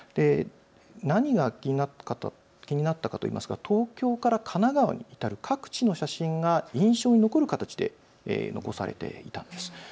何が気になったかといいますと東京から神奈川に至る各地の写真が印象に残る形で残されていたんです。